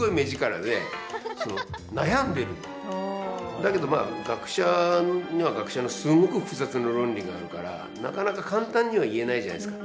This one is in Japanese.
だけど、学者には学者のすごく複雑な論理があるからなかなか簡単には言えないじゃないですか。